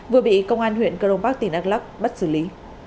vừa bị công an huyện cờ đông bắc tỉnh ác lắc bắt xử lý